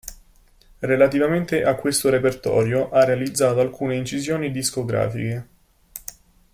Relativamente a questo repertorio ha realizzato alcune incisioni discografiche.